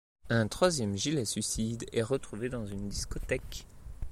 Un troisième gilet-suicide est retrouvé dans une discothèque.